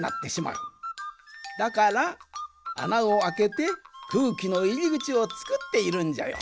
だからあなをあけてくうきのいりぐちをつくっているんじゃよ。